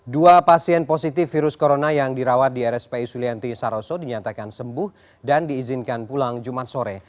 dua pasien positif virus corona yang dirawat di rspi sulianti saroso dinyatakan sembuh dan diizinkan pulang jumat sore